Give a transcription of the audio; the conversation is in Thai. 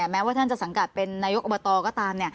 แม้ว่าท่านจะสังกัดเป็นนายกอบตก็ตาม